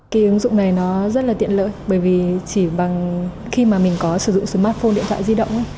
cái ứng dụng này nó rất là tiện lợi bởi vì chỉ bằng khi mà mình có sử dụng smartphone điện thoại di động